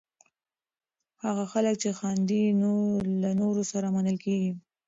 هغه خلک چې خاندي، له نورو سره منل کېږي.